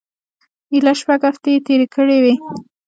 ایله شپږ هفتې یې تېرې کړې وې.